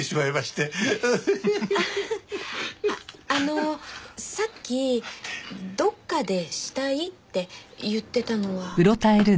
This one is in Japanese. あっあのさっき「どっかで死体」って言ってたのは？